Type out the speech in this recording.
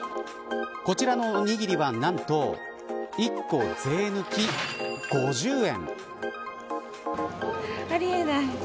こちらのおにぎりは何と１個、税抜き５０円。